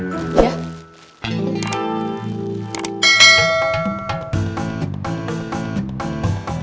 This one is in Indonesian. gimana hasil penjualan hari ini